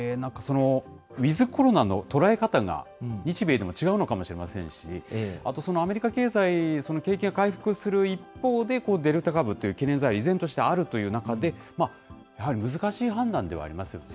ウィズコロナの捉え方が、日米でも違うのかもしれませんし、あと、そのアメリカ経済、景気が回復する一方で、デルタ株という懸念材料は依然としてあるという中で、やはり難しい判断ではありますよね。